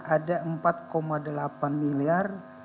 ada empat delapan miliar